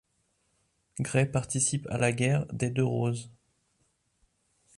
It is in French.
Grey participe à la guerre des Deux-Roses.